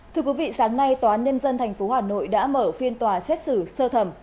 thưa quý vị sáng nay tòa án nhân dân tp hà nội đã mở phiên tòa xét xử sơ thẩm